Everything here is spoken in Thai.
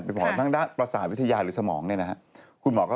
ทางด้านภาษาวิทยาหรือสมองเนี่ยเนี่ยนะครับ